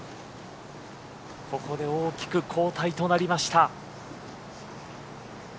ここで大きく後退となりました。